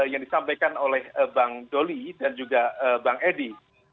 yang disampaikan oleh bang doli dan juga bang edi